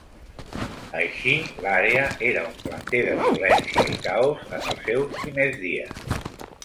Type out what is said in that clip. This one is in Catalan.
Així, l'àrea era un planter de violència i caos en els seus primers dies.